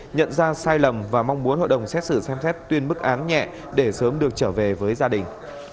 nhận ra sai lầm và mong muốn hội đồng xét xử xem xét tuyên bức án nhẹ để sớm được trở về với gia đình